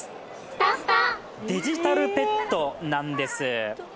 デジタルペットなんです。